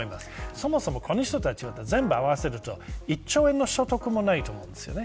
そもそもこの人たちは全部合わせると１兆円の所得もないと思うんですよね。